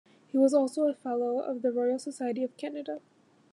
He was also a Fellow of the Royal Society of Canada.